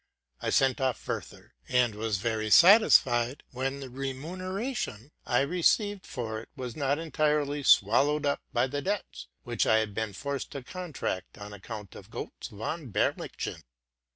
I sent off RELATING TO MY LIFE. 169 '' Werther,'' and was very well satisfied, when the remu neration I received for it was not entirely swallowed up by the debts which I had been forced to contract on account of Gotz von Berlichingen."